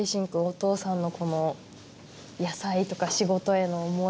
お父さんのこの野菜とか仕事への思い聞いて。